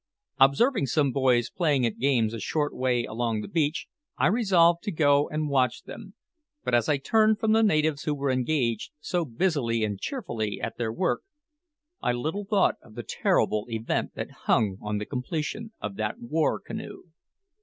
Observing some boys playing at games a short way along the beach, I resolved to go and watch them; but as I turned from the natives who were engaged so busily and cheerfully at their work, I little thought of the terrible event that hung on the completion of that war canoe.